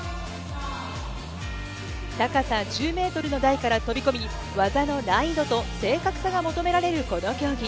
高さ１０メートルの台から飛び込み、技の難易度と正確さが求められるこの競技。